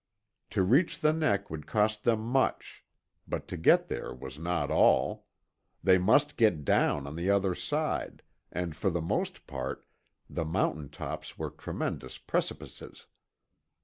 To reach the neck would cost them much; but to get there was not all. They must get down on the other side, and, for the most part, the mountain tops were tremendous precipices.